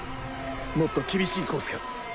もっと厳しいコースか？